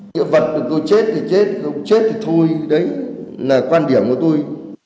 những vật tôi chết thì chết chết thì thôi đấy là quan điểm của tôi